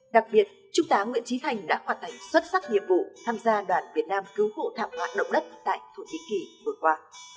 đặc biệt chúng ta nguyễn trí thành đã hoạt thành xuất sắc nhiệm vụ tham gia đoàn việt nam cứu hộ thảm họa động đất tại thủy bí kỳ vừa qua